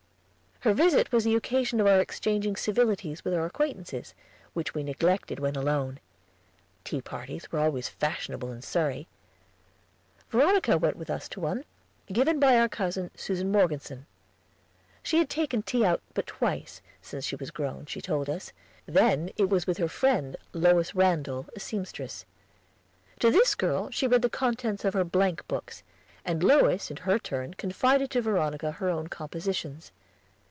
Her visit was the occasion of our exchanging civilities with our acquaintances, which we neglected when alone. Tea parties were always fashionable in Surrey. Veronica went with us to one, given by our cousin, Susan Morgeson. She had taken tea out but twice, since she was grown, she told us, then it was with her friend Lois Randall, a seamstress. To this girl she read the contents of her blank books, and Lois in her turn confided to Veronica her own compositions.